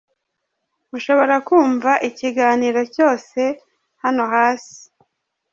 Mushobora kumva ikiganiro cyose hano hasi: